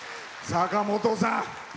坂本さん。